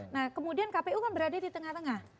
nah kemudian kpu kan berada di tengah tengah